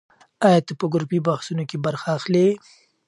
ایا ته په ګروپي بحثونو کې برخه اخلې؟